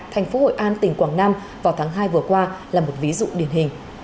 thành phố hội an tỉnh quảng nam vào tháng hai vừa qua là một ví dụ điển hình